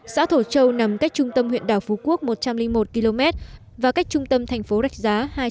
xã thổ châu nằm cách trung tâm huyện đảo phú quốc một trăm linh một km và cách trung tâm thành phố rạch giá